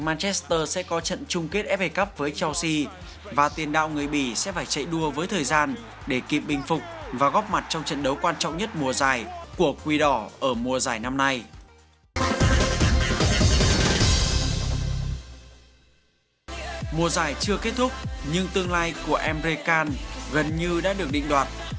mùa giải chưa kết thúc nhưng tương lai của emre kan gần như đã được định đoạt